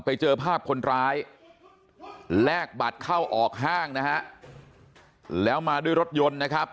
ไปเจอภาพคนร้ายแลกบัตรเข้าออกห้างนะฮะแล้วมาด้วยรถยนต์นะครับ